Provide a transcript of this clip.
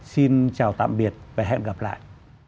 xin chào tạm biệt và hẹn gặp lại